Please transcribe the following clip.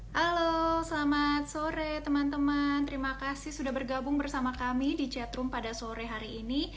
halo selamat sore teman teman terima kasih sudah bergabung bersama kami di chatroom pada sore hari ini